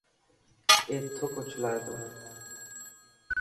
اي ٿڪ اوڇلائي تو.